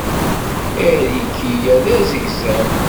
Ariki-a d azegzaw.